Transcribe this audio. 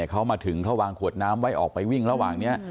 เขามาถึงเขาวางขวดน้ำไว้ออกไปวิ่งระหว่างนี้